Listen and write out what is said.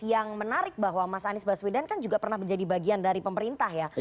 yang menarik bahwa mas anies baswedan kan juga pernah menjadi bagian dari pemerintah ya